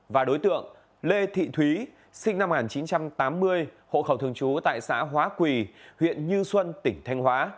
và đối tượng lê thị thúy sinh năm một nghìn chín trăm tám mươi hộ khẩu thường trú tại xã hóa quỳ huyện như xuân tỉnh thanh hóa